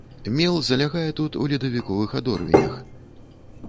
Мел залягае тут у ледавіковых адорвенях.